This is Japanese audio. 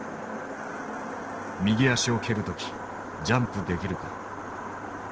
「右足をけるときジャンプできるか？」。